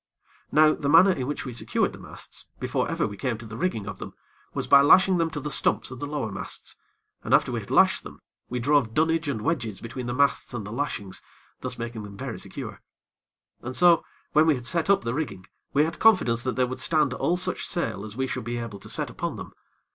Now the manner in which we secured the masts, before ever we came to the rigging of them, was by lashing them to the stumps of the lower masts, and after we had lashed them, we drove dunnage and wedges between the masts and the lashings, thus making them very secure. And so, when we had set up the rigging, we had confidence that they would stand all such sail as we should be able to set upon them.